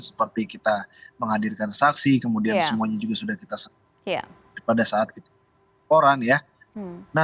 seperti kita menghadirkan saksi kemudian semuanya juga sudah kita sebut pada saat kita berkoran